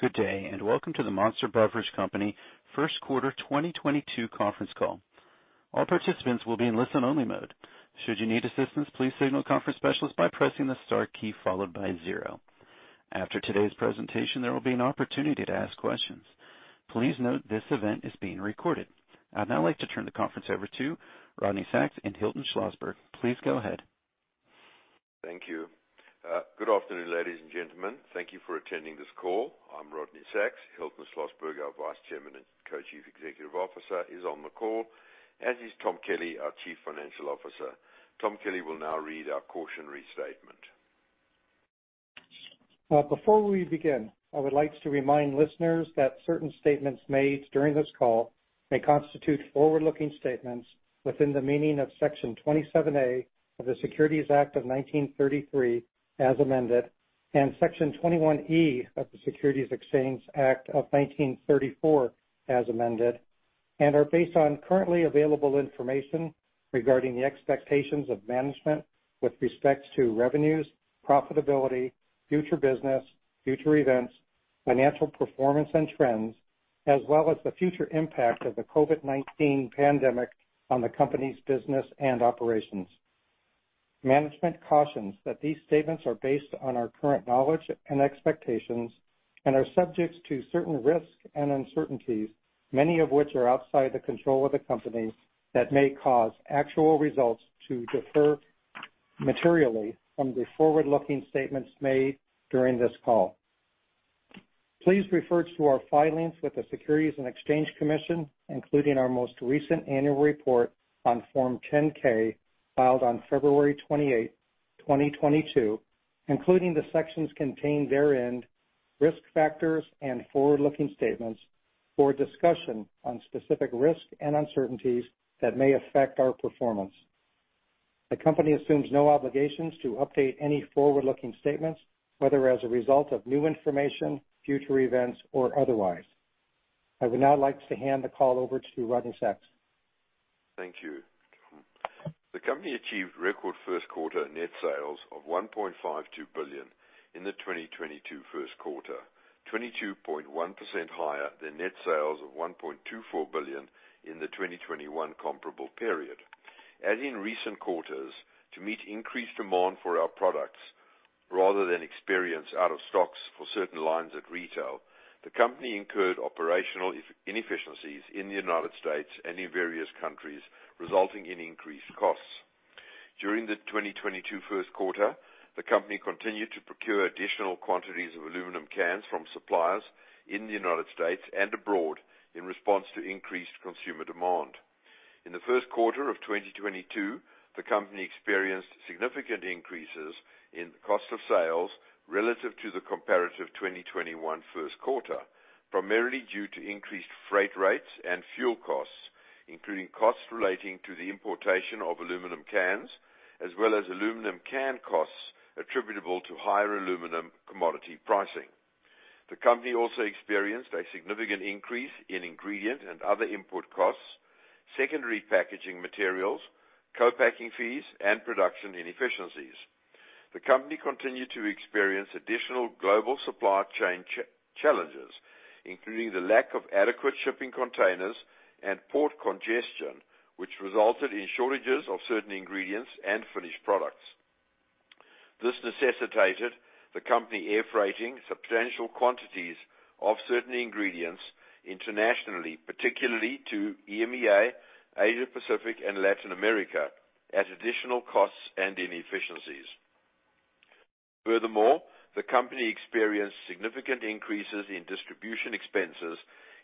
Good day, and welcome to the Monster Beverage Company first quarter 2022 conference call. All participants will be in listen only mode. Should you need assistance, please signal the conference specialist by pressing the star key followed by zero. After today's presentation, there will be an opportunity to ask questions. Please note this event is being recorded. I'd now like to turn the conference over to Rodney Sacks and Hilton Schlosberg. Please go ahead. Thank you. Good afternoon, ladies and gentlemen. Thank you for attending this call. I'm Rodney Sacks. Hilton Schlosberg, our Vice Chairman and Co-Chief Executive Officer, is on the call, as is Thomas Kelly, our Chief Financial Officer. Thomas Kelly will now read our cautionary statement. Before we begin, I would like to remind listeners that certain statements made during this call may constitute forward-looking statements within the meaning of Section 27A of the Securities Act of 1933, as amended, and Section 21E of the Securities Exchange Act of 1934, as amended, and are based on currently available information regarding the expectations of management with respect to revenues, profitability, future business, future events, financial performance and trends, as well as the future impact of the COVID-19 pandemic on the company's business and operations. Management cautions that these statements are based on our current knowledge and expectations and are subject to certain risks and uncertainties, many of which are outside the control of the company, that may cause actual results to differ materially from the forward-looking statements made during this call. Please refer to our filings with the Securities and Exchange Commission, including our most recent annual report on Form 10-K filed on February 28, 2022, including the sections contained therein, Risk Factors and Forward-Looking Statements, for a discussion on specific risks and uncertainties that may affect our performance. The company assumes no obligations to update any forward-looking statements, whether as a result of new information, future events or otherwise. I would now like to hand the call over to Rodney Sacks. Thank you. The company achieved record first quarter net sales of $1.52 billion in the 2022 first quarter, 22.1% higher than net sales of $1.24 billion in the 2021 comparable period. As in recent quarters, to meet increased demand for our products rather than experience out of stocks for certain lines at retail, the company incurred operational inefficiencies in the United States and in various countries, resulting in increased costs. During the 2022 first quarter, the company continued to procure additional quantities of aluminum cans from suppliers in the United States and abroad in response to increased consumer demand. In the first quarter of 2022, the company experienced significant increases in cost of sales relative to the comparative 2021 first quarter, primarily due to increased freight rates and fuel costs, including costs relating to the importation of aluminum cans, as well as aluminum can costs attributable to higher aluminum commodity pricing. The company also experienced a significant increase in ingredient and other input costs, secondary packaging materials, co-packing fees, and production inefficiencies. The company continued to experience additional global supply chain challenges, including the lack of adequate shipping containers and port congestion, which resulted in shortages of certain ingredients and finished products. This necessitated the company airfreighting substantial quantities of certain ingredients internationally, particularly to EMEA, Asia Pacific, and Latin America, at additional costs and inefficiencies. Furthermore, the company experienced significant increases in distribution expenses,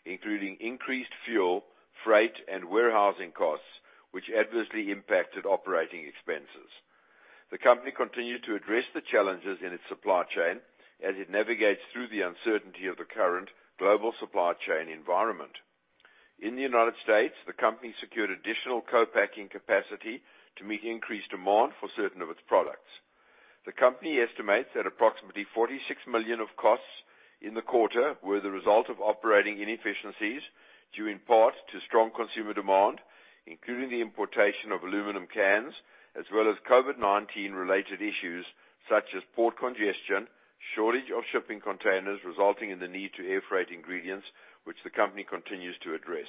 including increased fuel, freight, and warehousing costs, which adversely impacted operating expenses. The company continued to address the challenges in its supply chain as it navigates through the uncertainty of the current global supply chain environment. In the United States, the company secured additional co-packing capacity to meet increased demand for certain of its products. The company estimates that approximately $46 million of costs in the quarter were the result of operating inefficiencies, due in part to strong consumer demand, including the importation of aluminum cans, as well as COVID-19 related issues such as port congestion, shortage of shipping containers resulting in the need to airfreight ingredients, which the company continues to address.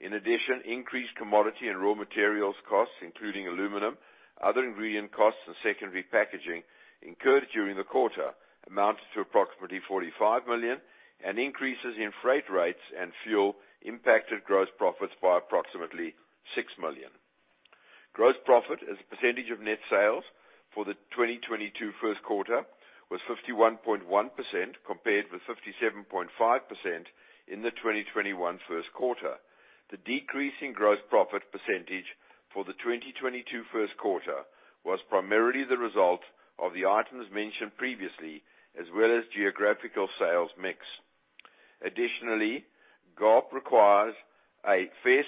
In addition, increased commodity and raw materials costs, including aluminum, other ingredient costs and secondary packaging incurred during the quarter, amounted to approximately $45 million, and increases in freight rates and fuel impacted gross profits by approximately $6 million. Gross profit as a percentage of net sales for the 2022 first quarter was 51.1%, compared with 57.5% in the 2021 first quarter. The decrease in gross profit percentage for the 2022 first quarter was primarily the result of the items mentioned previously, as well as geographical sales mix. Additionally, GAAP requires a fair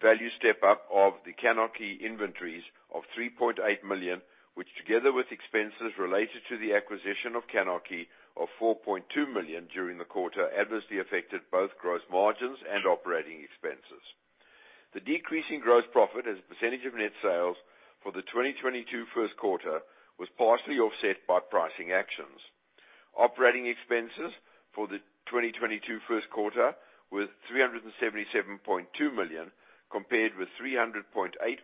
value step-up of the CANarchy inventories of $3.8 million, which, together with expenses related to the acquisition of CANarchy of $4.2 million during the quarter, adversely affected both gross margins and operating expenses. The decrease in gross profit as a percentage of net sales for the 2022 first quarter was partially offset by pricing actions. Operating expenses for the 2022 first quarter were $377.2 million compared with $300.8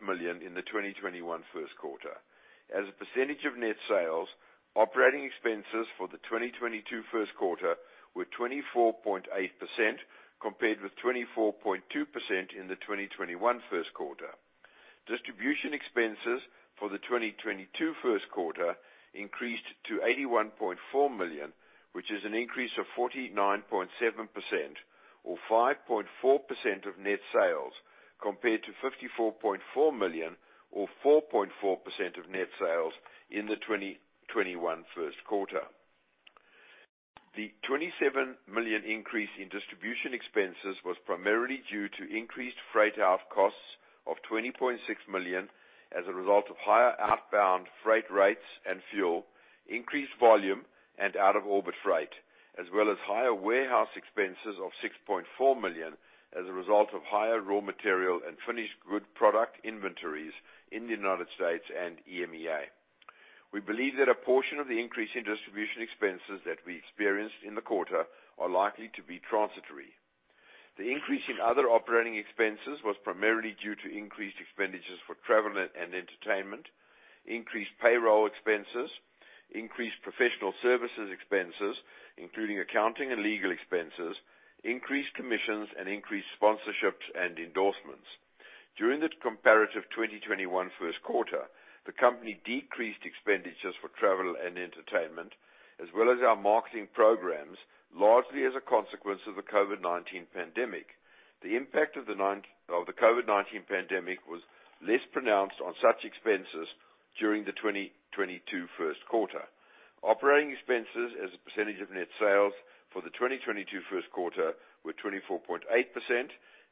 million in the 2021 first quarter. As a percentage of net sales, operating expenses for the 2022 first quarter were 24.8% compared with 24.2% in the 2021 first quarter. Distribution expenses for the 2022 first quarter increased to $81.4 million, which is an increase of 49.7% or 5.4% of net sales, compared to $54.4 million or 4.4% of net sales in the 2021 first quarter. The $27 million increase in distribution expenses was primarily due to increased freight out costs of $20.6 million as a result of higher outbound freight rates and fuel, increased volume and out-of-orbit freight, as well as higher warehouse expenses of $6.4 million as a result of higher raw material and finished good product inventories in the United States and EMEA. We believe that a portion of the increase in distribution expenses that we experienced in the quarter are likely to be transitory. The increase in other operating expenses was primarily due to increased expenditures for travel and entertainment, increased payroll expenses, increased professional services expenses, including accounting and legal expenses, increased commissions, and increased sponsorships and endorsements. During the comparative 2021 first quarter, the company decreased expenditures for travel and entertainment as well as our marketing programs, largely as a consequence of the COVID-19 pandemic. The impact of the COVID-19 pandemic was less pronounced on such expenses during the 2022 first quarter. Operating expenses as a percentage of net sales for the 2022 first quarter were 24.8%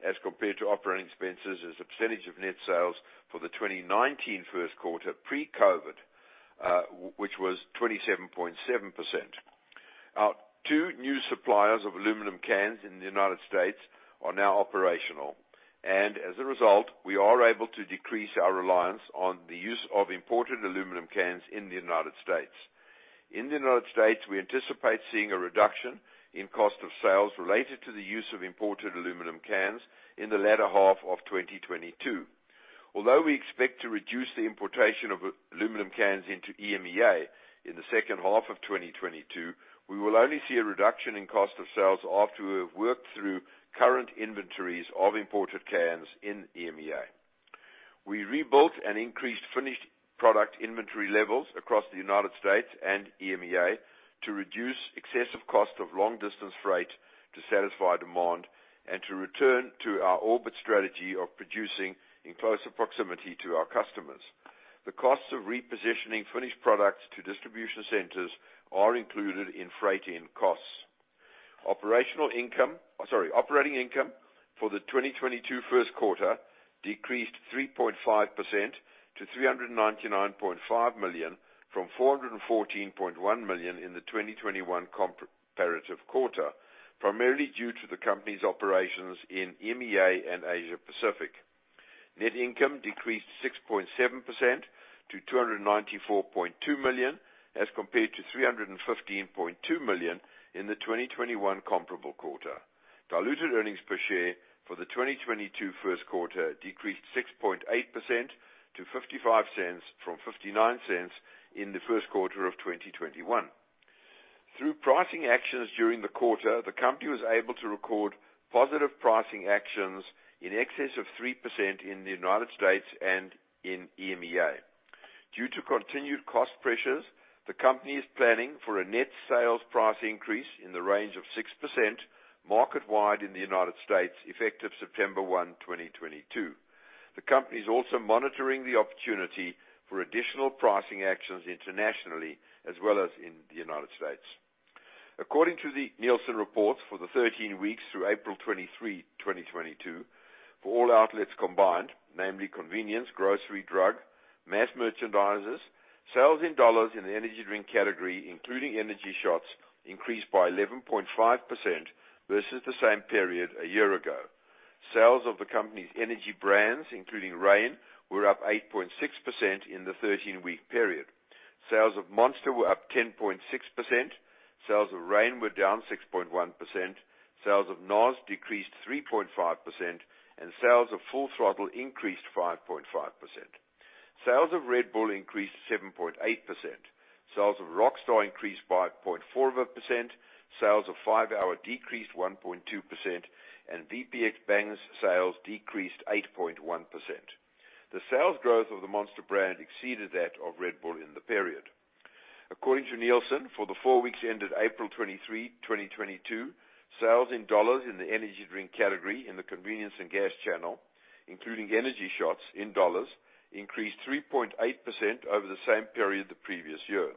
as compared to operating expenses as a percentage of net sales for the 2019 first quarter pre-COVID, which was 27.7%. Our two new suppliers of aluminum cans in the United States are now operational. As a result, we are able to decrease our reliance on the use of imported aluminum cans in the United States. In the United States, we anticipate seeing a reduction in cost of sales related to the use of imported aluminum cans in the latter half of 2022. Although we expect to reduce the importation of aluminum cans into EMEA in the second half of 2022, we will only see a reduction in cost of sales after we have worked through current inventories of imported cans in EMEA. We rebuilt and increased finished product inventory levels across the United States and EMEA to reduce excessive cost of long-distance freight to satisfy demand and to return to our orbit strategy of producing in closer proximity to our customers. The costs of repositioning finished products to distribution centers are included in freight-in costs. Operational income. Operating income for the 2022 first quarter -3.5% to $399.5 million from $414.1 million in the 2021 comparative quarter, primarily due to the company's operations in EMEA and Asia Pacific. Net income -6.7% to $294.2 million as compared to $315.2 million in the 2021 comparable quarter. Diluted earnings per share for the 2022 first quarter -6.8% to $0.55 from $0.59 in the first quarter of 2021. Through pricing actions during the quarter, the company was able to record positive pricing actions in excess of 3% in the United States and in EMEA. Due to continued cost pressures, the company is planning for a net sales price increase in the range of 6% market-wide in the United States effective September 1, 2022. The company is also monitoring the opportunity for additional pricing actions internationally as well as in the United States. According to the Nielsen reports for the 13 weeks through April 23, 2022, for all outlets combined, namely convenience, grocery, drug, mass merchandisers, sales in dollars in the energy drink category, including energy shots, increased by 11.5% versus the same period a year ago. Sales of the company's energy brands, including Reign, were up 8.6% in the 13-week period. Sales of Monster were up 10.6%, sales of Reign were down 6.1%, sales of NOS -3.5%, and sales of Full Throttle +5.5%. Sales of Red Bull +7.8%. Sales of Rockstar +5.4%, sales of 5-hour -1.2%, and VPX Bang sales -8.1%. The sales growth of the Monster brand exceeded that of Red Bull in the period. According to Nielsen, for the four weeks ended April 23, 2022, sales in dollars in the energy drink category in the convenience and gas channel, including energy shots in dollars, +3.8% over the same period the previous year.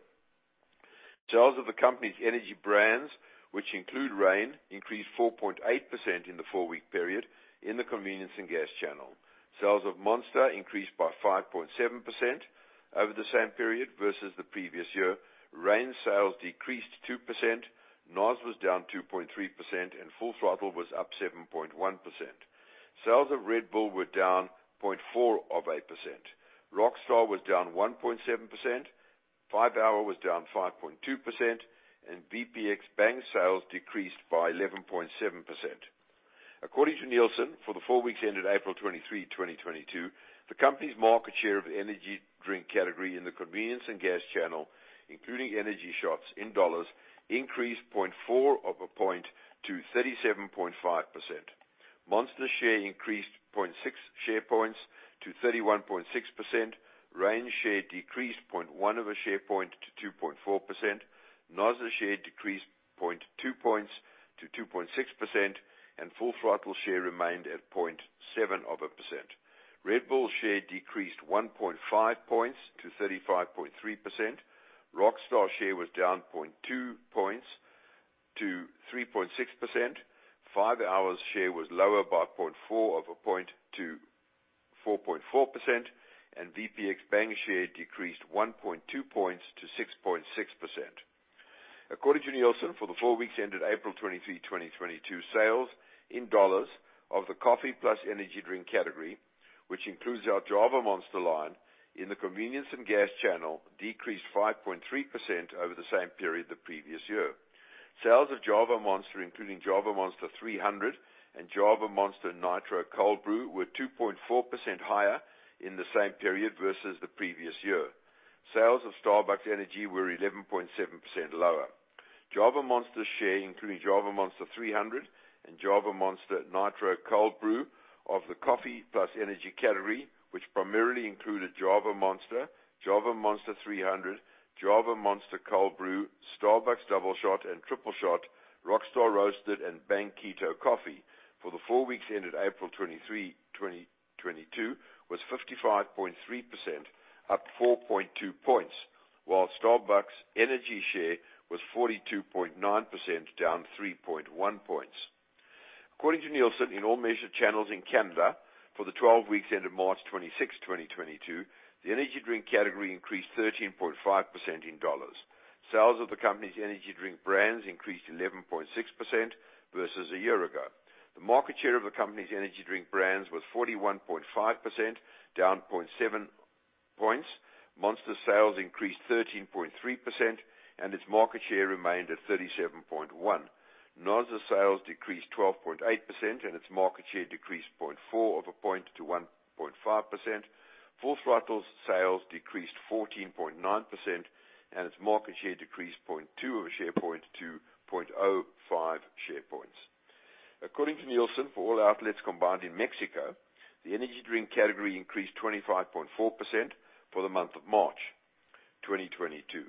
Sales of the company's energy brands, which include Reign, +4.8% in the four-week period in the convenience and gas channel. Sales of Monster increased by 5.7% over the same period versus the previous year. Reign sales -2%. NOS was down 2.3%, and Full Throttle was up 7.1%. Sales of Red Bull were down 0.4%. Rockstar was down 1.7%. 5-hour ENERGY was down 5.2%, and VPX Bang sales decreased by 11.7%. According to Nielsen, for the four weeks ended April 23, 2022, the company's market share of energy drink category in the convenience and gas channel, including energy shots in dollars, +0.4 of a point to 37.5%. Monster share +0.6 share points to 31.6%. Reign share -0.1 of a share point to 2.4%. NOS share -0.2 points to 2.6%, and Full Throttle share remained at 0.7%. Red Bull share -1.5 points to 35.3%. Rockstar share was down 0.2 points to 3.6%. 5-hour Energy share was lower by 0.4 of a point to 4.4%, and VPX Bang share -1.2 points to 6.6%. According to Nielsen, for the four weeks ended April 23, 2022, sales in dollars of the coffee plus energy drink category, which includes our Java Monster line in the convenience and gas channel, -5.3% over the same period the previous year. Sales of Java Monster, including Java Monster 300 and Java Monster Nitro Cold Brew, were 2.4% higher in the same period versus the previous year. Sales of Starbucks Energy were 11.7% lower. Java Monster share, including Java Monster 300 and Java Monster Nitro Cold Brew of the coffee plus energy category, which primarily included Java Monster, Java Monster 300, Java Monster Cold Brew, Starbucks Doubleshot and Tripleshot, Rockstar Roasted, and Bang Keto Coffee for the four weeks ended April 23, 2022, was 55.3%, up 4.2 points, while Starbucks Energy share was 42.9%, down 3.1 points. According to Nielsen, in all measured channels in Canada for the 12 weeks ended March 26th, 2022, the energy drink category +13.5% in dollars. Sales of the company's energy drink brands +11.6% versus a year ago. The market share of the company's energy drink brands was 41.5%, down 0.7 points. Monster sales +13.3%, and its market share remained at 37.1%. NOS sales -12.8%, and its market share -0.4 of a point to 1.5%. Full Throttle's sales -14.9%, and its market share -0.2 of a share point to 0.05 share points. According to Nielsen, for all outlets combined in Mexico, the energy drink category +25.4% for the month of March 2022.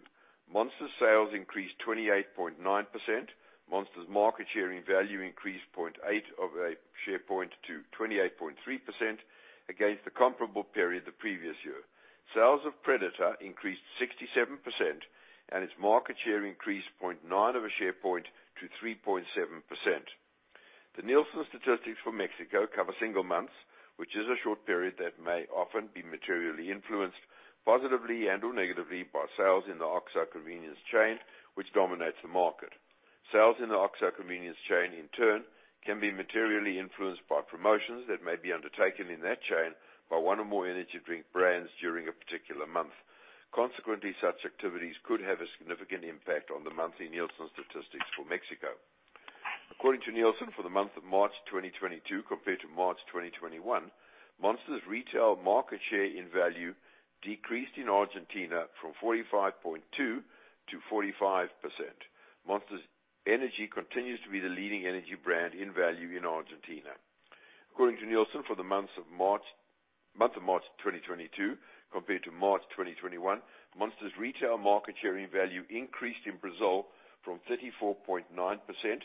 Monster sales +28.9%. Monster's market share in value +0.8 of a share point to 28.3% against the comparable period the previous year. Sales of Predator +67%, and its market share +0.9 of a share point to 3.7%. The Nielsen statistics for Mexico cover single months, which is a short period that may often be materially influenced positively and/or negatively by sales in the OXXO convenience chain, which dominates the market. Sales in the OXXO convenience chain, in turn, can be materially influenced by promotions that may be undertaken in that chain by one or more energy drink brands during a particular month. Consequently, such activities could have a significant impact on the monthly Nielsen statistics for Mexico. According to Nielsen, for the month of March 2022 compared to March 2021, Monster's retail market share in value decreased in Argentina from 45.2%-45%. Monster Energy continues to be the leading energy brand in value in Argentina. According to Nielsen, for the month of March 2022 compared to March 2021, Monster's retail market share in value increased in Brazil from 34.9%-40.2%.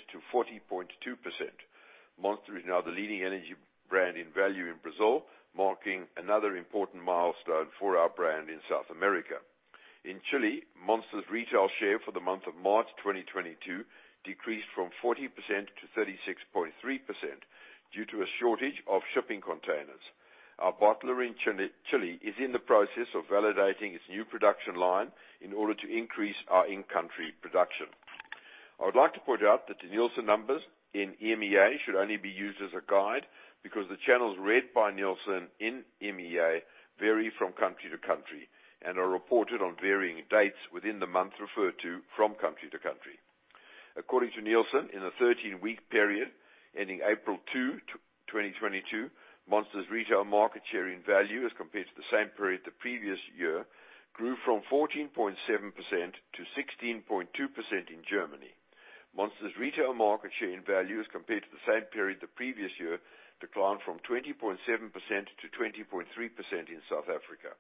Monster is now the leading energy brand in value in Brazil, marking another important milestone for our brand in South America. In Chile, Monster's retail share for the month of March 2022 decreased from 40%-36.3% due to a shortage of shipping containers. Our bottler in Chile is in the process of validating its new production line in order to increase our in-country production. I would like to point out that the Nielsen numbers in EMEA should only be used as a guide because the channels read by Nielsen in EMEA vary from country to country and are reported on varying dates within the month referred to from country to country. According to Nielsen, in the 13-week period ending April 2, 2022, Monster's retail market share in value as compared to the same period the previous year grew from 14.7%-16.2% in Germany. Monster's retail market share in value as compared to the same period the previous year declined from 20.7%-20.3% in South Africa.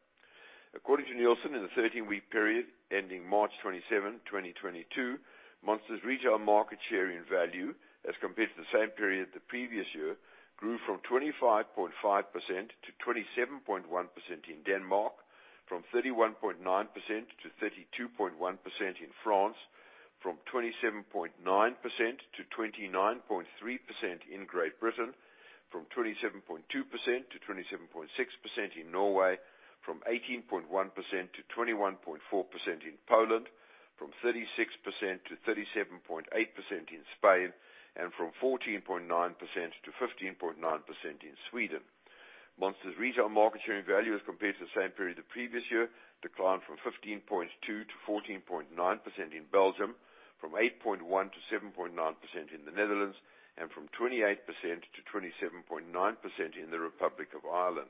According to Nielsen, in the 13-week period ending March 27, 2022, Monster's retail market share in value as compared to the same period the previous year grew from 25.5%-27.1% in Denmark. From 31.9%-32.1% in France, from 27.9%-29.3% in Great Britain, from 27.2%-27.6% in Norway, from 18.1%-21.4% in Poland, from 36%-37.8% in Spain, and from 14.9%-15.9% in Sweden. Monster's retail market share in value as compared to the same period the previous year declined from 15.2%-14.9% in Belgium, from 8.1%-7.9% in the Netherlands, and from 28%-27.9% in the Republic of Ireland.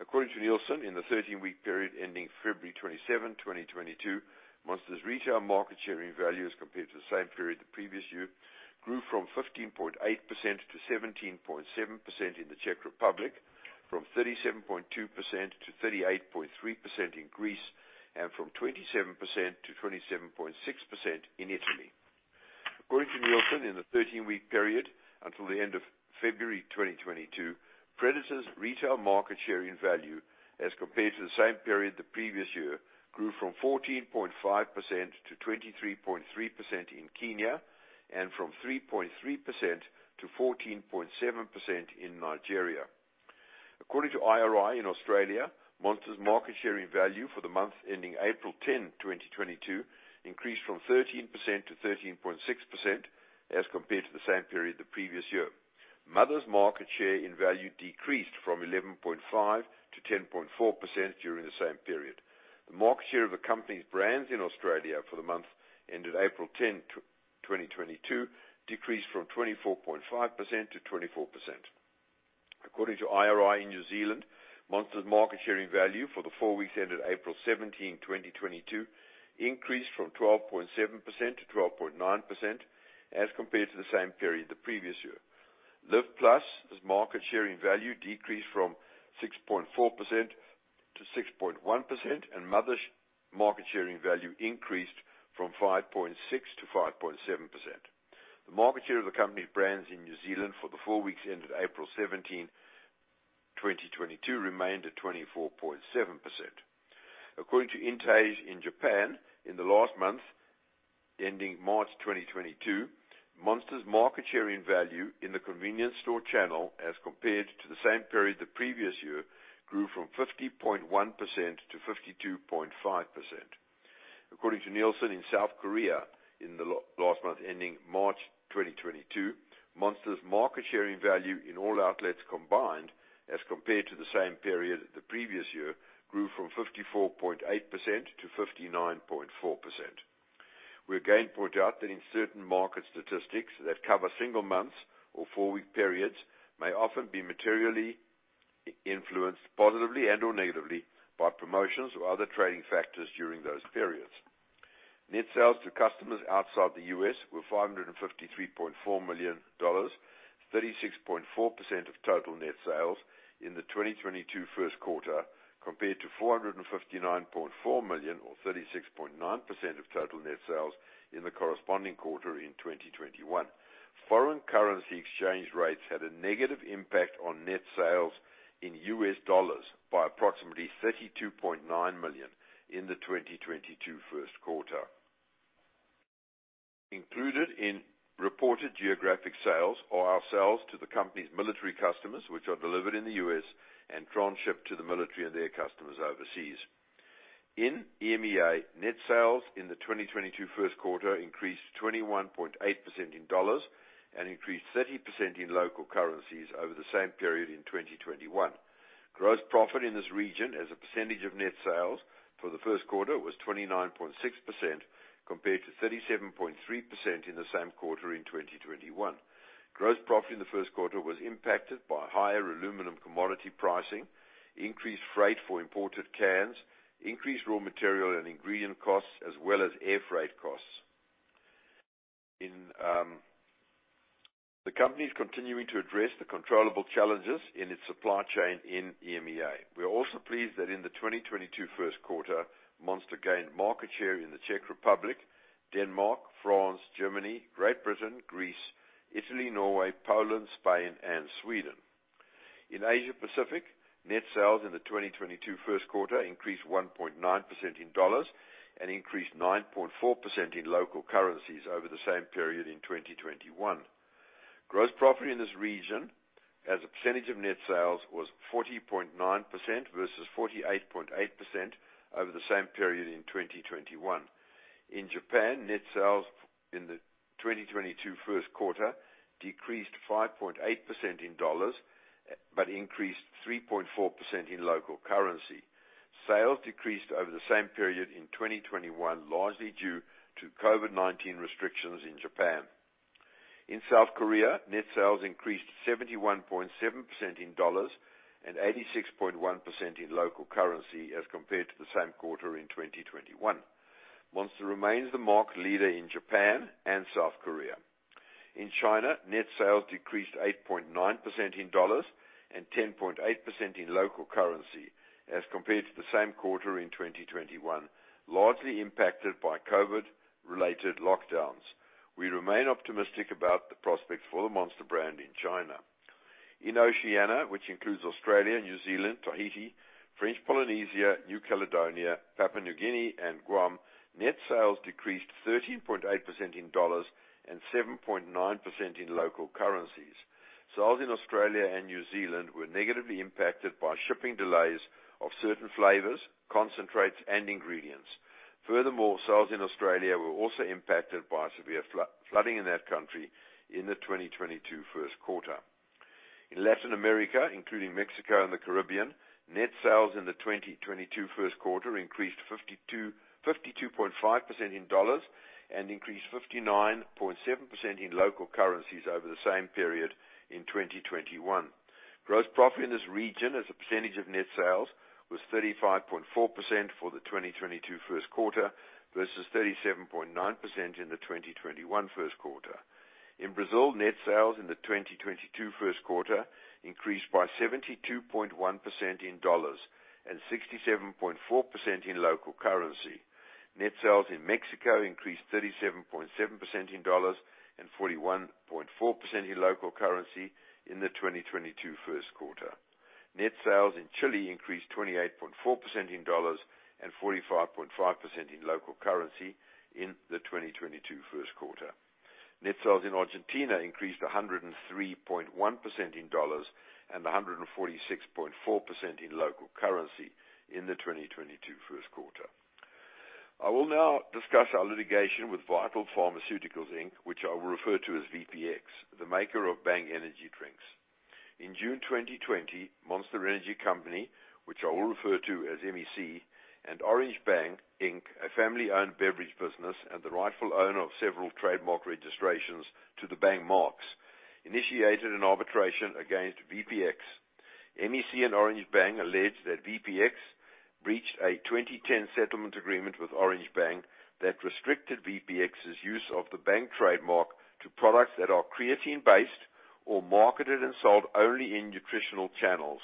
According to Nielsen, in the 13-week period ending February 27, 2022, Monster's retail market share in value as compared to the same period the previous year grew from 15.8%-17.7% in the Czech Republic, from 37.2%-38.3% in Greece, and from 27%-27.6% in Italy. According to Nielsen, in the 13-week period until the end of February 2022, Predator's retail market share in value as compared to the same period the previous year grew from 14.5%-23.3% in Kenya and from 3.3%-14.7% in Nigeria. According to IRI in Australia, Monster's market share in value for the month ending April 10, 2022 increased from 13%-13.6% as compared to the same period the previous year. Mother's market share in value decreased from 11.5%-10.4% during the same period. The market share of the company's brands in Australia for the month ended April 10, 2022 decreased from 24.5%-24%. According to IRI in New Zealand, Monster's market share in value for the four weeks ended April 17, 2022 increased from 12.7%-12.9% as compared to the same period the previous year. Live+'s market share in value decreased from 6.4%-6.1%, and Mother's market share in value increased from 5.6%-5.7%. The market share of the company's brands in New Zealand for the four weeks ended April 17, 2022 remained at 24.7%. According to INTAGE in Japan, in the last month ending March 2022, Monster's market share in value in the convenience store channel as compared to the same period the previous year grew from 50.1%-52.5%. According to Nielsen in South Korea in the last month ending March 2022, Monster's market share in value in all outlets combined as compared to the same period the previous year grew from 54.8% -59.4%. We again point out that in certain market statistics that cover single months or four-week periods may often be materially influenced positively and/or negatively by promotions or other trading factors during those periods. Net sales to customers outside the U.S. were $553.4 million, 36.4% of total net sales in the 2022 first quarter, compared to $459.4 million or 36.9% of total net sales in the corresponding quarter in 2021. Foreign currency exchange rates had a negative impact on net sales in US dollars by approximately $32.9 million in the 2022 first quarter. Included in reported geographic sales are our sales to the company's military customers, which are delivered in the U.S. and trans-shipped to the military and their customers overseas. In EMEA, net sales in the 2022 first quarter +21.8% in dollars and +30% in local currencies over the same period in 2021. Gross profit in this region as a percentage of net sales for the first quarter was 29.6% compared to 37.3% in the same quarter in 2021. Gross profit in the first quarter was impacted by higher aluminum commodity pricing, increased freight for imported cans, increased raw material and ingredient costs, as well as air freight costs. The company is continuing to address the controllable challenges in its supply chain in EMEA. We are also pleased that in the 2022 first quarter, Monster gained market share in the Czech Republic, Denmark, France, Germany, Great Britain, Greece, Italy, Norway, Poland, Spain, and Sweden. In Asia Pacific, net sales in the 2022 first quarter +1.9% in dollars and +9.4% in local currencies over the same period in 2021. Gross profit in this region as a percentage of net sales was 40.9% versus 48.8% over the same period in 2021. In Japan, net sales in the 2022 first quarter -5.8% in dollars, but +3.4% in local currency. Sales decreased over the same period in 2021, largely due to COVID-19 restrictions in Japan. In South Korea, net sales +71.7% in dollars and 86.1% in local currency as compared to the same quarter in 2021. Monster remains the market leader in Japan and South Korea. In China, net sales -8.9% in dollars and 10.8% in local currency as compared to the same quarter in 2021, largely impacted by COVID-related lockdowns. We remain optimistic about the prospects for the Monster brand in China. In Oceania, which includes Australia, New Zealand, Tahiti, French Polynesia, New Caledonia, Papua New Guinea and Guam, net sales -13.8% in dollars and 7.9% in local currencies. Sales in Australia and New Zealand were negatively impacted by shipping delays of certain flavors, concentrates and ingredients. Furthermore, sales in Australia were also impacted by severe flooding in that country in the 2022 first quarter. In Latin America, including Mexico and the Caribbean, net sales in the 2022 first quarter +52.5% in dollars and +59.7% in local currencies over the same period in 2021. Gross profit in this region as a percentage of net sales was 35.4% for the 2022 first quarter versus 37.9% in the 2021 first quarter. In Brazil, net sales in the 2022 first quarter increased by 72.1% in dollars and 67.4% in local currency. Net sales in Mexico +37.7% in dollars and 41.4% in local currency in the 2022 first quarter. Net sales in Chile +28.4% in dollars and 45.5% in local currency in the 2022 first quarter. Net sales in Argentina +103.1% in dollars and 146.4% in local currency in the 2022 first quarter. I will now discuss our litigation with Vital Pharmaceuticals, Inc., which I will refer to as VPX, the maker of Bang energy drinks. In June 2020, Monster Energy Company, which I will refer to as MEC, and Orange Bang, Inc., a family-owned beverage business and the rightful owner of several trademark registrations to the Bang marks, initiated an arbitration against VPX. MEC and Orange Bang allege that VPX breached a 2010 settlement agreement with Orange Bang that restricted VPX's use of the Bang trademark to products that are creatine-based or marketed and sold only in nutritional channels,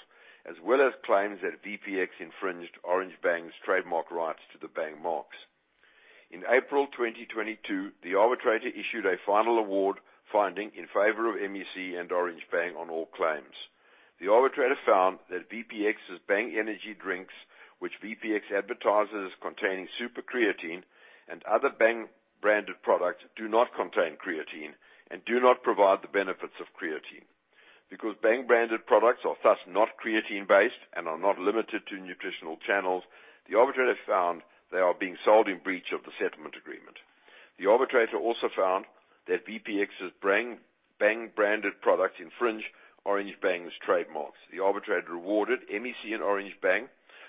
as well as claims that VPX infringed Orange Bang's trademark rights to the Bang marks. In April 2022, the arbitrator issued a final award finding in favor of MEC and Orange Bang on all claims. The arbitrator found that VPX's Bang energy drinks, which VPX advertises containing super creatine and other Bang branded products, do not contain creatine and do not provide the benefits of creatine. Because Bang branded products are thus not creatine-based and are not limited to nutritional channels, the arbitrator found they are being sold in breach of the settlement agreement. The arbitrator also found that VPX's Bang branded products infringe Orange Bang's trademarks. The arbitrator awarded MEC and Orange Bang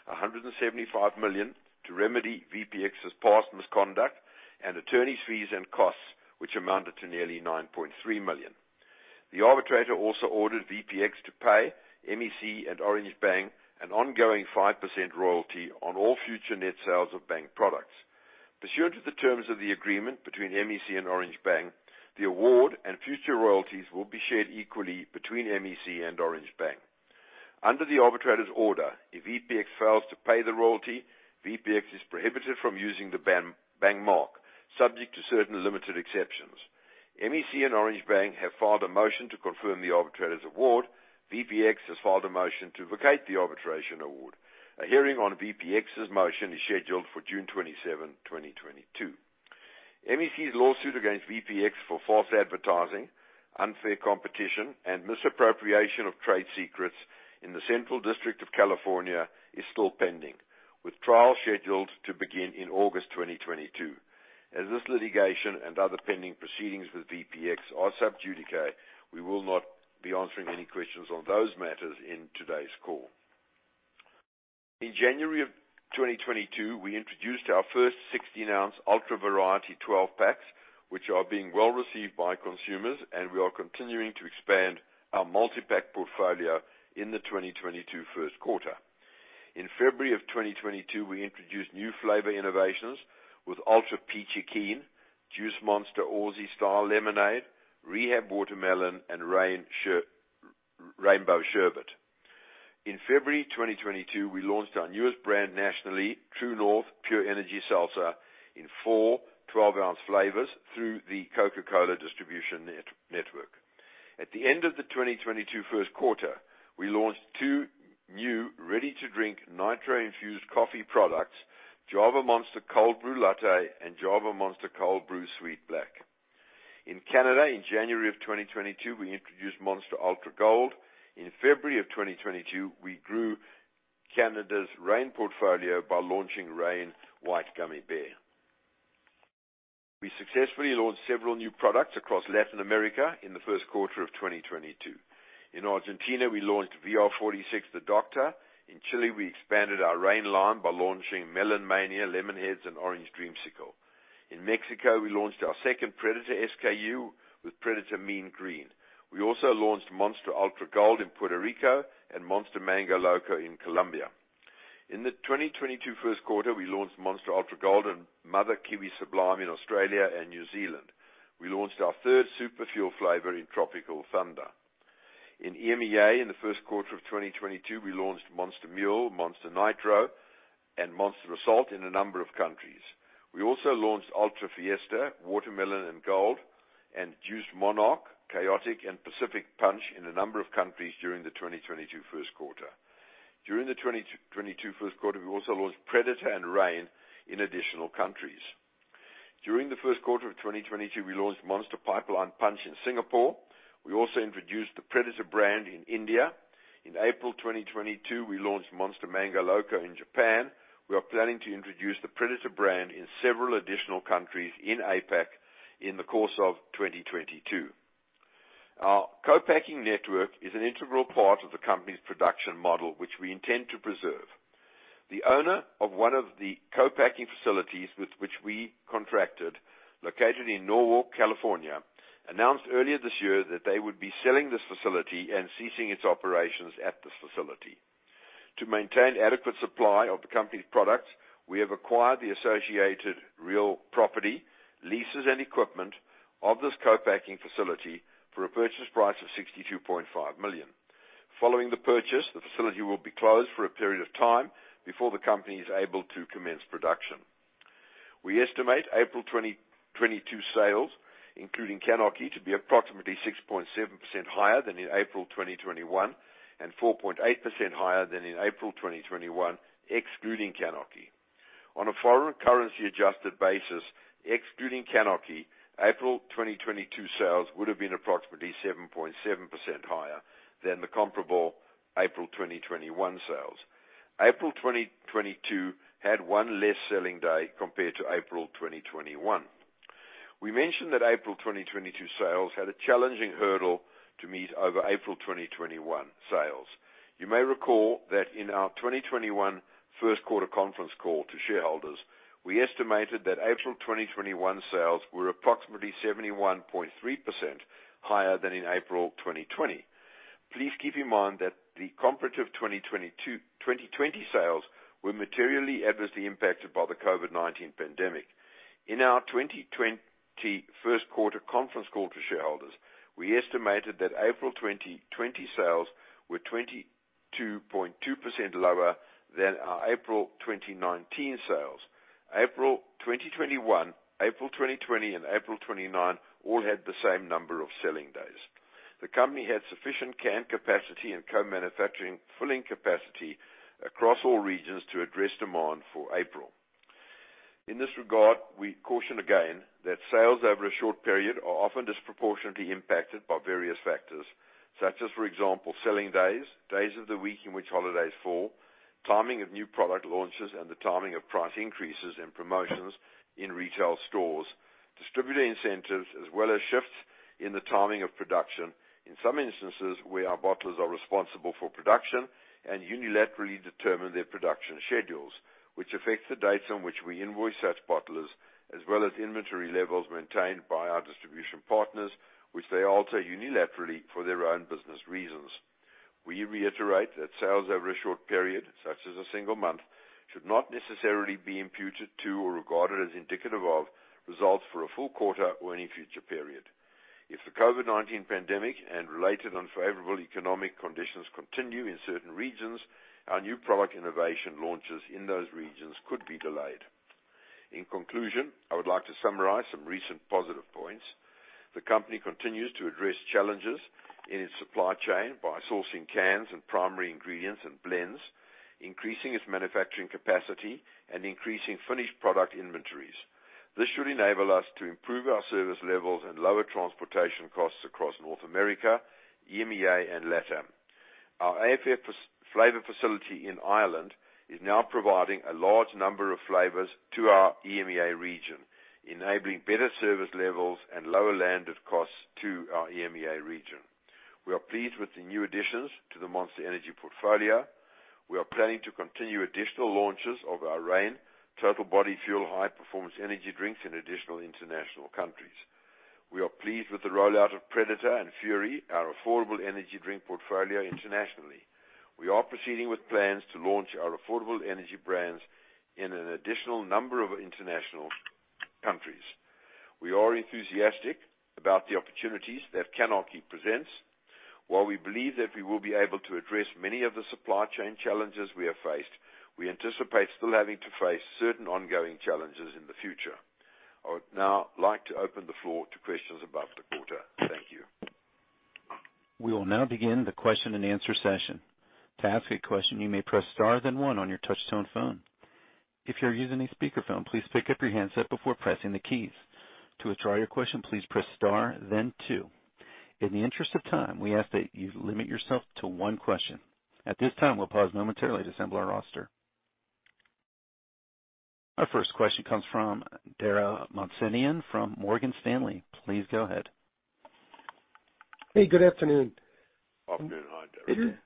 $175 million to remedy VPX's past misconduct and attorney's fees and costs, which amounted to nearly $9.3 million. The arbitrator also ordered VPX to pay MEC and Orange Bang an ongoing 5% royalty on all future net sales of Bang products. Pursuant to the terms of the agreement between MEC and Orange Bang, the award and future royalties will be shared equally between MEC and Orange Bang. Under the arbitrator's order, if VPX fails to pay the royalty, VPX is prohibited from using the Bang mark, subject to certain limited exceptions. MEC and Orange Bang have filed a motion to confirm the arbitrator's award. VPX has filed a motion to vacate the arbitration award. A hearing on VPX's motion is scheduled for June 27, 2022. MEC's lawsuit against VPX for false advertising, unfair competition, and misappropriation of trade secrets in the Central District of California is still pending, with trial scheduled to begin in August 2022. As this litigation and other pending proceedings with VPX are sub judice, we will not be answering any questions on those matters in today's call. In January 2022, we introduced our first 16 oz Ultra variety 12 packs, which are being well received by consumers, and we are continuing to expand our multipack portfolio in the 2022 first quarter. In February 2022, we introduced new flavor innovations with Ultra Peachy Keen, Juice Monster Aussie Style Lemonade, Rehab Watermelon, and Reignbow Sherbet. In February 2022, we launched our newest brand nationally, True North Pure Energy Seltzer in four 12 oz flavors through the Coca-Cola distribution network. At the end of the 2022 first quarter, we launched two new ready-to-drink nitro-infused coffee products, Java Monster Cold Brew Latte and Java Monster Cold Brew Sweet Black. In Canada, in January 2022, we introduced Monster Ultra Gold. In February 2022, we grew Canada's Reign portfolio by launching Reign White Gummy Bear. We successfully launched several new products across Latin America in the first quarter of 2022. In Argentina, we launched VR46 The Doctor. In Chile, we expanded our Reign line by launching Reign Melon Mania, Lemonheads, and Monster Energy Orange Dreamsicle. In Mexico, we launched our second Predator SKU with Predator Mean Green. We also launched Monster Ultra Gold in Puerto Rico and Monster Mango Loco in Colombia. In the 2022 first quarter, we launched Monster Ultra Gold and Mother Kiwi Sublime in Australia and New Zealand. We launched our third Super Fuel flavor in Tropical Thunder. In EMEA, in the first quarter of 2022, we launched Monster Mule, Monster Nitro, and Monster Assault in a number of countries. We also launched Ultra Fiesta, Watermelon and Gold, and Juiced Monarch, Khaotic and Pacific Punch in a number of countries during the 2022 first quarter. During the 2022 first quarter, we also launched Predator and Reign in additional countries. During the first quarter of 2022, we launched Monster Pipeline Punch in Singapore. We also introduced the Predator brand in India. In April 2022, we launched Monster Mango Loco in Japan. We are planning to introduce the Predator brand in several additional countries in APAC in the course of 2022. Our co-packing network is an integral part of the company's production model, which we intend to preserve. The owner of one of the co-packing facilities with which we contracted, located in Norwalk, California, announced earlier this year that they would be selling this facility and ceasing its operations at this facility. To maintain adequate supply of the company's products, we have acquired the associated real property, leases, and equipment of this co-packing facility for a purchase price of $62.5 million. Following the purchase, the facility will be closed for a period of time before the company is able to commence production. We estimate April 2022 sales, including CANarchy, to be approximately 6.7% higher than in April 2021 and 4.8% higher than in April 2021, excluding CANarchy. On a foreign currency adjusted basis, excluding CANarchy, April 2022 sales would have been approximately 7.7% higher than the comparable April 2021 sales. April 2022 had one less selling day compared to April 2021. We mentioned that April 2022 sales had a challenging hurdle to meet over April 2021 sales. You may recall that in our 2021 first quarter conference call to shareholders, we estimated that April 2021 sales were approximately 71.3% higher than in April 2020. Please keep in mind that the comparative 2022-2020 sales were materially adversely impacted by the COVID-19 pandemic. In our 2021 first quarter conference call to shareholders, we estimated that April 2020 sales were 22.2% lower than our April 2019 sales. April 2021, April 2020 and April 2019 all had the same number of selling days. The company had sufficient can capacity and co-manufacturing filling capacity across all regions to address demand for April. In this regard, we caution again that sales over a short period are often disproportionately impacted by various factors, such as, for example, selling days of the week in which holidays fall, timing of new product launches, and the timing of price increases and promotions in retail stores, distributor incentives, as well as shifts in the timing of production. In some instances, where our bottlers are responsible for production and unilaterally determine their production schedules, which affect the dates on which we invoice such bottlers, as well as inventory levels maintained by our distribution partners, which they alter unilaterally for their own business reasons. We reiterate that sales over a short period, such as a single month, should not necessarily be imputed to or regarded as indicative of results for a full quarter or any future period. If the COVID-19 pandemic and related unfavorable economic conditions continue in certain regions, our new product innovation launches in those regions could be delayed. In conclusion, I would like to summarize some recent positive points. The company continues to address challenges in its supply chain by sourcing cans and primary ingredients and blends, increasing its manufacturing capacity and increasing finished product inventories. This should enable us to improve our service levels and lower transportation costs across North America, EMEA and LATAM. Our AFF flavor facility in Ireland is now providing a large number of flavors to our EMEA region, enabling better service levels and lower landed costs to our EMEA region. We are pleased with the new additions to the Monster Energy portfolio. We are planning to continue additional launches of our Reign Total Body Fuel high-performance energy drinks in additional international countries. We are pleased with the rollout of Predator and Fury, our affordable energy drink portfolio internationally. We are proceeding with plans to launch our affordable energy brands in an additional number of international countries. We are enthusiastic about the opportunities that CANarchy presents. While we believe that we will be able to address many of the supply chain challenges we have faced, we anticipate still having to face certain ongoing challenges in the future. I would now like to open the floor to questions about the quarter. Thank you. We will now begin the question-and-answer session. To ask a question, you may press star, then one on your touchtone phone. If you are using a speakerphone, please pick up your handset before pressing the keys. To withdraw your question, please press star, then two. In the interest of time, we ask that you limit yourself to one question. At this time, we'll pause momentarily to assemble our roster. Our first question comes from Dara Mohsenian from Morgan Stanley. Please go ahead. Afternoon. Hi, Dara.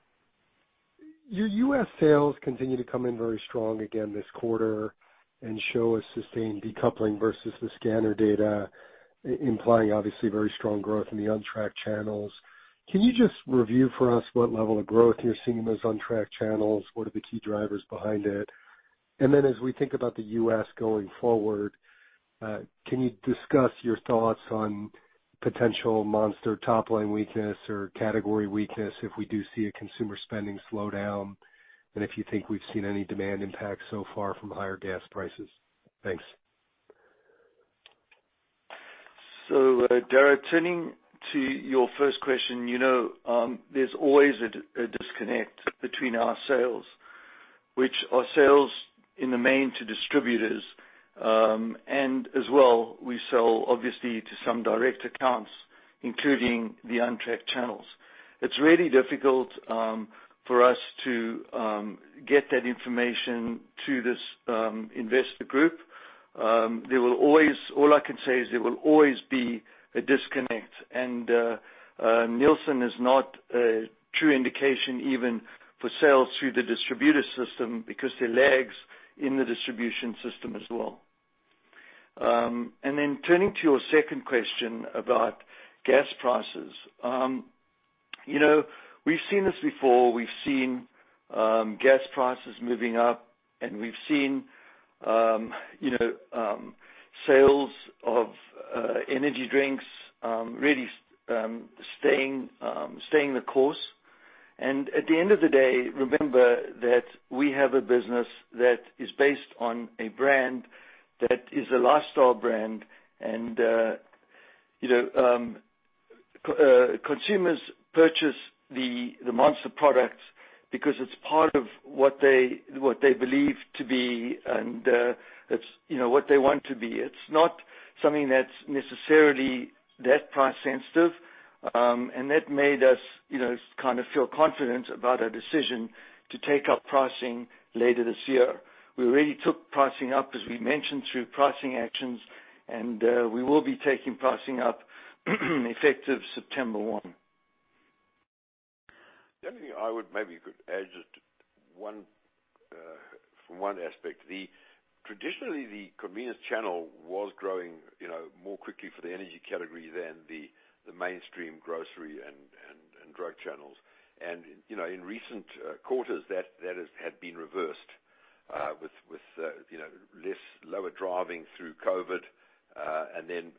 Your U.S. sales continue to come in very strong again this quarter and show a sustained decoupling versus the scanner data, implying obviously very strong growth in the untracked channels. Can you just review for us what level of growth you're seeing in those untracked channels? What are the key drivers behind it? Then as we think about the U.S. going forward? Can you discuss your thoughts on potential Monster top line weakness or category weakness if we do see a consumer spending slow down, and if you think we've seen any demand impact so far from higher gas prices? Thanks. Dara, turning to your first question, you know, there's always a disconnect between our sales, which are sales in the main to distributors, and as well, we sell obviously to some direct accounts, including the untracked channels. It's really difficult for us to get that information to this investor group. All I can say is there will always be a disconnect. Nielsen is not a true indication even for sales through the distributor system because there are lags in the distribution system as well. Turning to your second question about gas prices. You know, we've seen this before. We've seen gas prices moving up, and we've seen you know sales of energy drinks really staying the course. At the end of the day, remember that we have a business that is based on a brand that is a lifestyle brand. Consumers purchase the Monster products because it's part of what they believe to be, and it's what they want to be. It's not something that's necessarily that price sensitive, and that made us kind of feel confident about our decision to take up pricing later this year. We already took pricing up, as we mentioned, through pricing actions, and we will be taking pricing up effective September 1. The only thing I would maybe could add just one from one aspect. Traditionally, the convenience channel was growing, you know, more quickly for the energy category than the mainstream grocery and drug channels. You know, in recent quarters, that has had been reversed with less lower driving through COVID, and then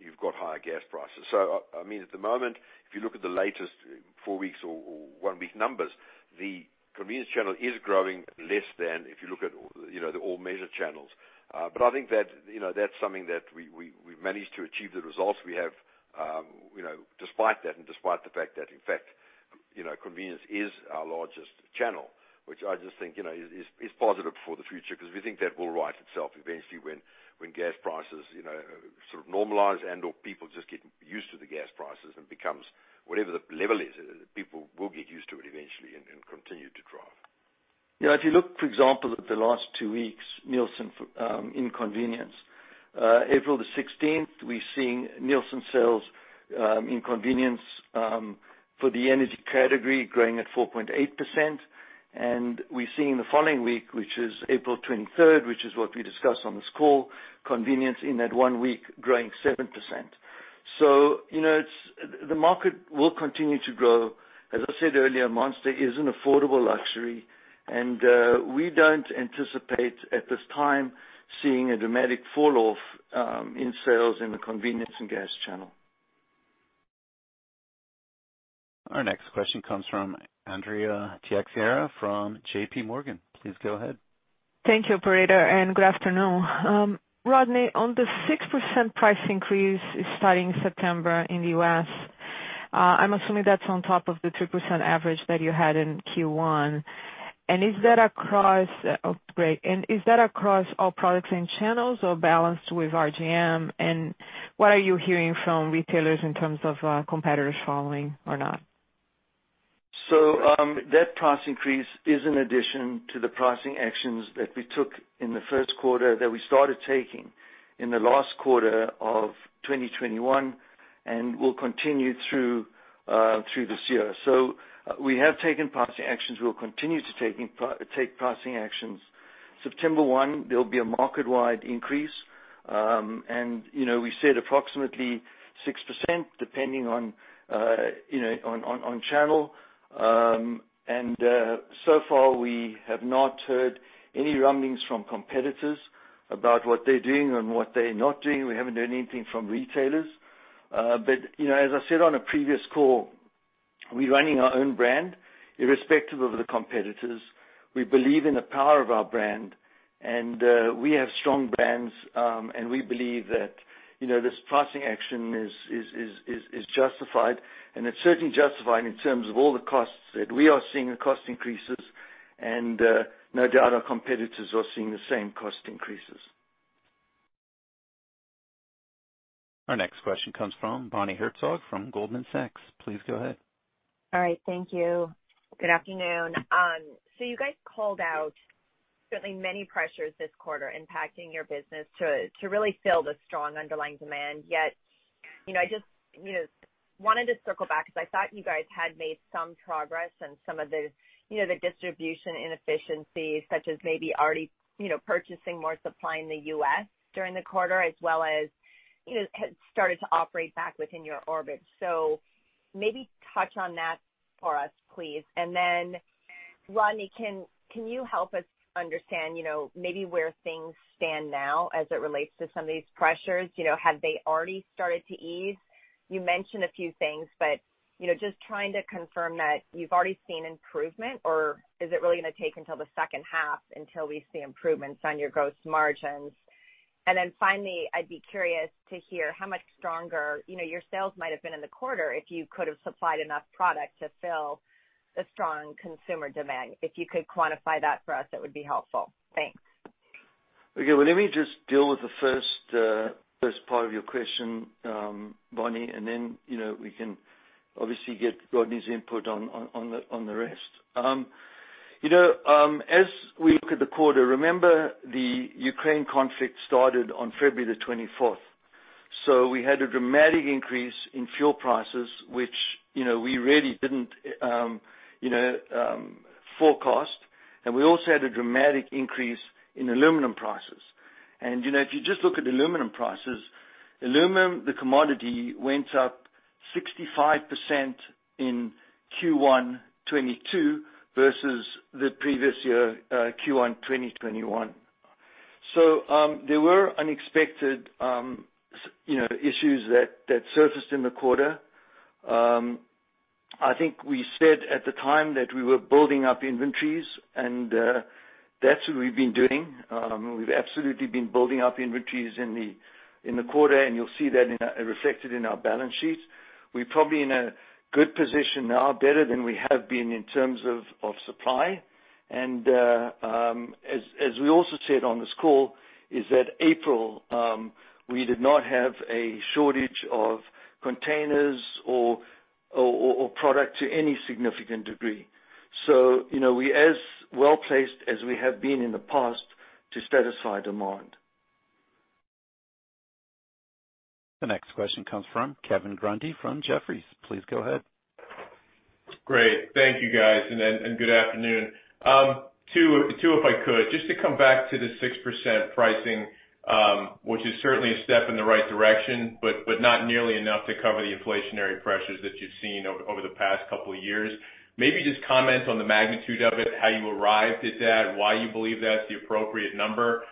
you've got higher gas prices. I mean, at the moment, if you look at the latest four weeks or one week numbers, the convenience channel is growing less than if you look at, you know, the all measure channels. I think that, you know, that's something that we've managed to achieve the results we have, you know, despite that and despite the fact that in fact, you know, convenience is our largest channel, which I just think, you know, is positive for the future because we think that will right itself eventually when gas prices, you know, sort of normalize and/or people just get used to the gas prices and becomes whatever the level is, people will get used to it eventually and continue to drive. You know, if you look, for example, at the last two weeks, Nielsen, for, in convenience, April 16th, we're seeing Nielsen sales, in convenience, for the energy category growing at 4.8%. We're seeing the following week, which is April 23, which is what we discussed on this call, convenience in that one week growing 7%. You know, it's the market will continue to grow. As I said earlier, Monster is an affordable luxury, and we don't anticipate at this time seeing a dramatic fall off in sales in the convenience and gas channel. Our next question comes from Andrea Teixeira from JP Morgan. Please go ahead. Thank you, operator, and good afternoon. Rodney, on the 6% price increase starting September in the U.S., I'm assuming that's on top of the 3% average that you had in Q1. Is that across all products and channels or balanced with RGM? What are you hearing from retailers in terms of competitors following or not? That price increase is an addition to the pricing actions that we took in the first quarter that we started taking in the last quarter of 2021 and will continue through this year. We have taken pricing actions. We'll continue to take pricing actions. September 1, there'll be a market-wide increase. You know, we said approximately 6%, depending on you know, on channel. So far, we have not heard any rumblings from competitors about what they're doing and what they're not doing. We haven't heard anything from retailers. You know, as I said on a previous call, we're running our own brand irrespective of the competitors. We believe in the power of our brand, and we have strong brands, and we believe that, you know, this pricing action is justified, and it's certainly justified in terms of all the costs that we are seeing the cost increases, and no doubt our competitors are seeing the same cost increases. Our next question comes from Bonnie Herzog from Goldman Sachs. Please go ahead. All right. Thank you. Good afternoon. So you guys called out certainly many pressures this quarter impacting your business to really fill the strong underlying demand. Yet, you know, I just, you know, wanted to circle back because I thought you guys had made some progress in some of the, you know, the distribution inefficiencies such as maybe already, you know, purchasing more supply in the U.S. during the quarter as well as, you know, had started to operate back within your orbit. Maybe touch on that for us, please. Then Rodney, can you help us understand, you know, maybe where things stand now as it relates to some of these pressures? You know, have they already started to ease? You mentioned a few things, but, you know, just trying to confirm that you've already seen improvement or is it really gonna take until the second half until we see improvements on your gross margins? Finally, I'd be curious to hear how much stronger, you know, your sales might have been in the quarter if you could have supplied enough product to fill the strong consumer demand. If you could quantify that for us, that would be helpful. Thanks. Okay. Well, let me just deal with the first part of your question, Bonnie, and then, you know, we can obviously get Rodney's input on the rest. You know, as we look at the quarter, remember the Ukraine conflict started on February the 24. We had a dramatic increase in fuel prices, which, you know, we really didn't forecast. And we also had a dramatic increase in aluminum prices. And, you know, if you just look at aluminum prices, aluminum, the commodity, went up 65% in Q1 2022 versus the previous year, Q1 2021. There were unexpected issues that surfaced in the quarter. I think we said at the time that we were building up inventories and that's what we've been doing. We've absolutely been building up inventories in the quarter, and you'll see that reflected in our balance sheets. We're probably in a good position now, better than we have been in terms of supply. As we also said on this call is that April we did not have a shortage of containers or product to any significant degree. You know, we as well-placed as we have been in the past to satisfy demand. The next question comes from Kevin Grundy from Jefferies. Please go ahead. Great. Thank you guys. Good afternoon. Two if I could, just to come back to the 6% pricing, which is certainly a step in the right direction, but not nearly enough to cover the inflationary pressures that you've seen over the past couple of years. Maybe just comment on the magnitude of it, how you arrived at that, and why you believe that's the appropriate number.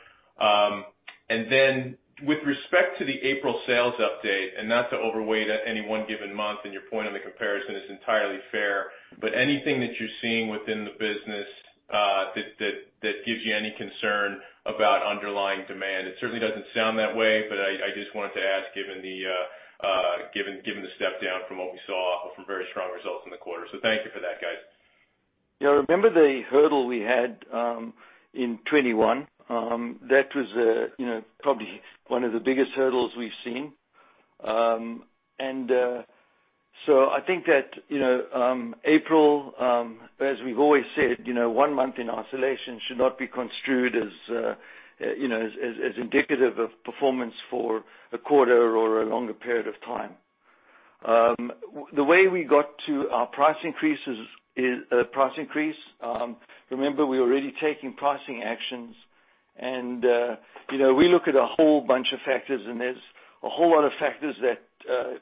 With respect to the April sales update, not to overweight at any one given month, your point on the comparison is entirely fair, but anything that you're seeing within the business that gives you any concern about underlying demand. It certainly doesn't sound that way, but I just wanted to ask given the step down from what we saw from very strong results in the quarter. Thank you for that, guys. You know, remember the hurdle we had in 2021. That was you know, probably one of the biggest hurdles we've seen. I think that you know, April as we've always said you know, one month in isolation should not be construed as you know, as indicative of performance for a quarter or a longer period of time. The way we got to our price increases is, remember, we're already taking pricing actions and you know, we look at a whole bunch of factors, and there's a whole lot of factors that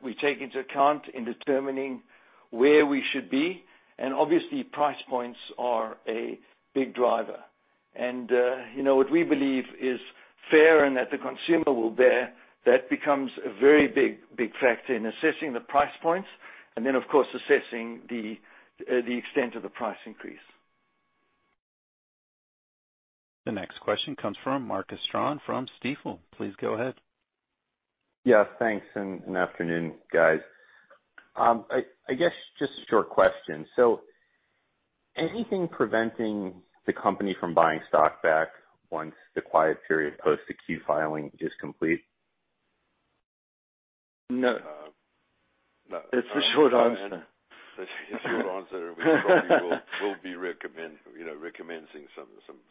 we take into account in determining where we should be. Obviously, price points are a big driver. you know, what we believe is fair and that the consumer will bear, that becomes a very big factor in assessing the price points and then, of course, assessing the extent of the price increase. The next question comes from Mark Astrachan from Stifel. Please go ahead. Yeah, thanks, and good afternoon, guys. I guess just a short question. Anything preventing the company from buying stock back once the quiet period post the Q filing is complete? No. No. It's a short answer. It's a short answer. We probably will be, you know, recommencing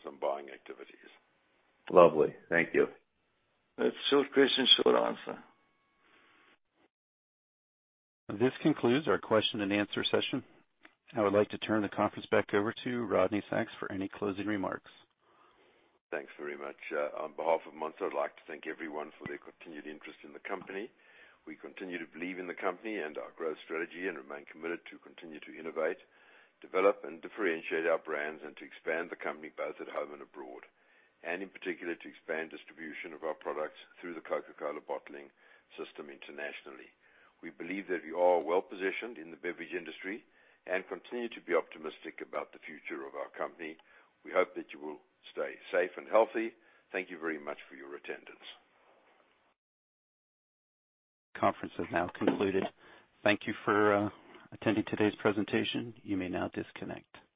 some buying activities. Lovely. Thank you. It's short question, short answer. This concludes our question and answer session. I would like to turn the conference back over to Rodney Sacks for any closing remarks. Thanks very much. On behalf of Monster, I'd like to thank everyone for their continued interest in the company. We continue to believe in the company and our growth strategy and remain committed to continue to innovate, develop, and differentiate our brands and to expand the company both at home and abroad, and in particular, to expand distribution of our products through the Coca-Cola bottling system internationally. We believe that we are well-positioned in the beverage industry and continue to be optimistic about the future of our company. We hope that you will stay safe and healthy. Thank you very much for your attendance. Conference is now concluded. Thank you for attending today's presentation. You may now disconnect.